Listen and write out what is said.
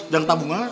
jangan tabung ah